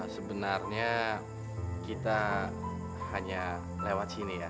sebenarnya kita hanya lewat sini ya